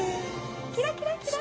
キラキラキラ。